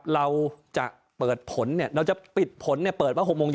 เราจะเปิดผลเนี่ย